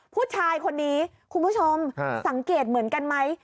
ผู้ชายคนนี้คุณผู้ชมสังเกตเหมือนกันไหม